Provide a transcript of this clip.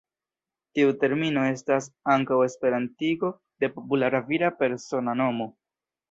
Tiu termino estas ankaŭ esperantigo de populara vira persona nomo.